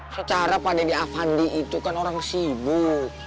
secara pak deddy afandi itu kan orang sibuk